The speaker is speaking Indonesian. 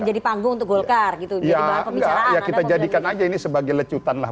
ya nggak ya kita jadikan aja ini sebagai lecutan lah